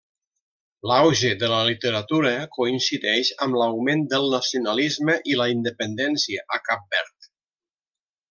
L'auge de la literatura coincideix amb l'augment del nacionalisme i la independència a Cap Verd.